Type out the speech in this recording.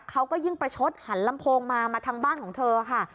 เขาก็ยิ่งประชดหันลำโพงมามาทางบ้านของเธอค่ะ